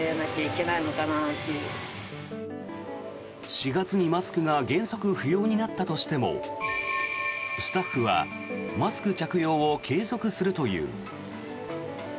４月にマスクが原則不要になったとしてもスタッフはマスク着用を継続するという。